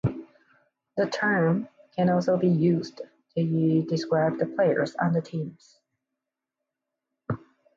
The term can also be used to describe the players on the teams.